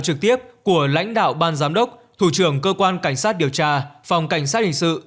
trực tiếp của lãnh đạo ban giám đốc thủ trưởng cơ quan cảnh sát điều tra phòng cảnh sát hình sự